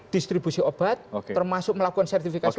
distribusi obat termasuk melakukan sertifikasi